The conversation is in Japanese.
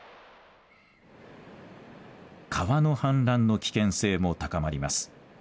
川の氾濫の危険性も高まります。